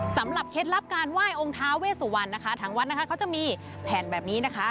สำหรับเคล็ดลับการว่ายองค์ท้าเวสุวรรณนะคะถังวันนะคะเขาจะมีแผ่นแบบนี้นะคะ